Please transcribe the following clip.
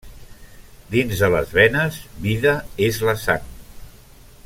Dins de les venes vida és la sang.